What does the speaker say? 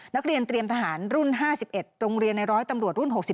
นักเรียนเตรียมทหารรุ่น๕๑โรงเรียนในร้อยตำรวจรุ่น๖๒